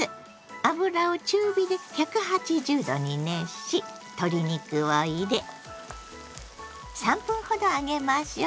油を中火で１８０℃に熱し鶏肉を入れ３分ほど揚げましょう。